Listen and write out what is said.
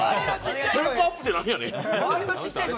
テンポアップってなんやねん。